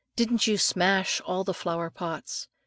didn't you smash all the flowerpots?